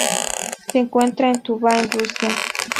Se encuentra en Tuvá en Rusia.